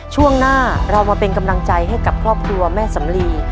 ช่วงหน้าเรามาเป็นกำลังใจให้กับครอบครัวแม่สำลี